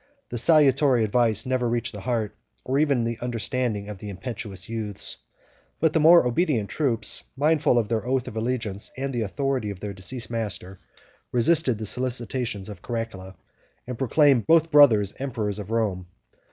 The salutary advice never reached the heart, or even the understanding, of the impetuous youths; but the more obedient troops, mindful of their oath of allegiance, and of the authority of their deceased master, resisted the solicitations of Caracalla, and proclaimed both brothers emperors of Rome.